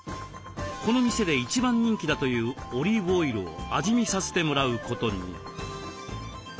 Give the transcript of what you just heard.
この店で一番人気だというオリーブオイルを味見させてもらうことに。